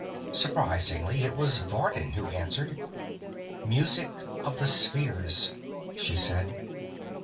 Surprisingly, it was Vardin who answered. "Music of the Spheres," she said.